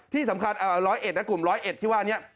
ที่สำคัญร้อยเอ็ดนะกลุ่มร้อยเอ็ดที่ว่านี้